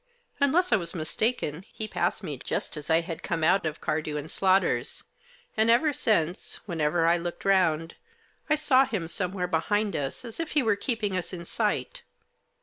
Unless I was mistaken he had passed me just as I had come out of Cardew & Slaughter's ; and ever since, whenever I looked round, I saw him some where behind us, as if he were keeping us in sight.